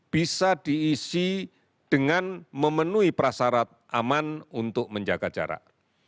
bisa diisi dengan memenuhi prasarat aman untuk menjaga jarak